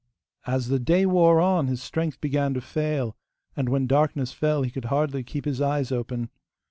As the day wore on, his strength began to fail, and when darkness fell he could hardly keep his eyes open.